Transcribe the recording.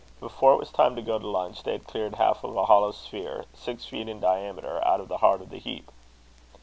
Before it was time to go to lunch, they had cleared half of a hollow sphere, six feet in diameter, out of the heart of the heap.